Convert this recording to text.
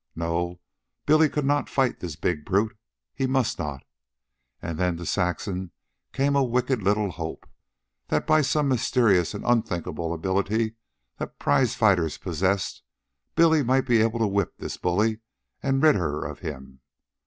No, Billy could not fight this big brute. He must not. And then to Saxon came a wicked little hope that by the mysterious and unthinkable ability that prizefighters possessed, Billy might be able to whip this bully and rid her of him.